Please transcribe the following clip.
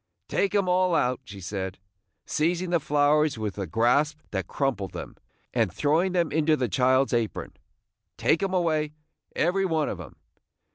Take 'em all out!" she said, seizing the flowers with a grasp that crumpled them, and throwing them into the child's apron. "Take 'em away, every one of 'em!